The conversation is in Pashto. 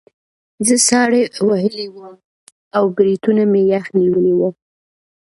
زه ساړه وهلی وم او بریتونه مې یخ نیولي وو